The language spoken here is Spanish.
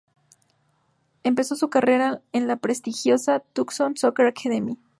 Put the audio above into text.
Empezó su carrera en la prestigiosa Tucson Soccer Academy.